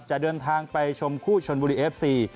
จะเดินทางไปชมคู่ชนบุรีเอฟซี